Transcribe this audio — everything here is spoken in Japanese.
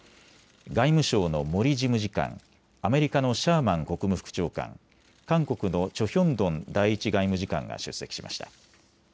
外務省の森事務次官、アメリカのシャーマン国務副長官、韓国のチョ・ヒョンドン第１外務次官が出席しました。